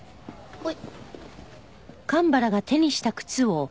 はい。